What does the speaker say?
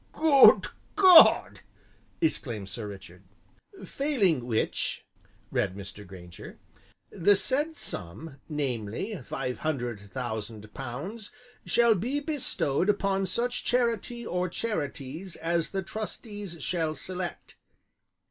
'" "Good God!" exclaimed Sir Richard. "'Failing which,'" read Mr. Grainger, "'the said sum, namely, five hundred thousand pounds, shall be bestowed upon such charity or charities as the trustees shall select.